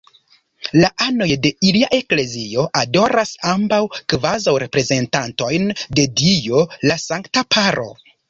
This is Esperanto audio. La anoj de ilia eklezio adoras ambaŭ kvazaŭ reprezentantojn de Dio: la Sankta Paro.